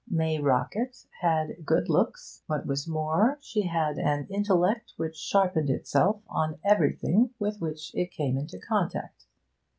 May Rockett had good looks; what was more, she had an intellect which sharpened itself on everything with which it came in contact.